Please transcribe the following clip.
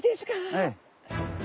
はい。